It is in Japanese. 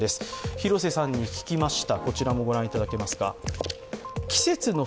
広瀬さんに聞きました。